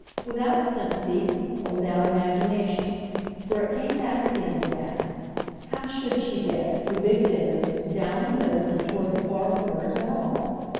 Without sympathy—or without imagination, for it came back again to that—how should she get, for big dinners, down the middle and toward the far corners at all?